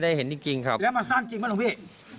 แล้วมันสั้นจริงไหมครับหลวงพี่